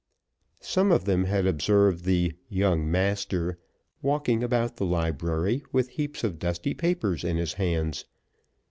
Some of them had observed the "young master" walking about the library with heaps of dusty papers in his hands.